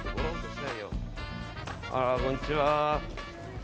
あら、こんにちは。